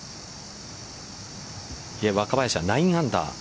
いや、若林は９アンダー。